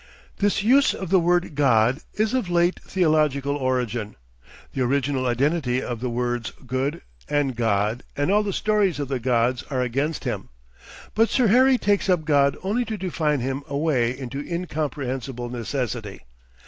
This use of the word "God" is of late theological origin; the original identity of the words "good" and "god" and all the stories of the gods are against him. But Sir Harry takes up God only to define him away into incomprehensible necessity.